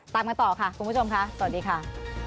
ตามกันต่อค่ะคุณผู้ชมค่ะสวัสดีค่ะ